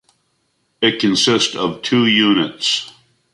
It consist of two units.